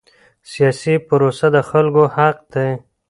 سیاسي پروسه د خلکو حق دی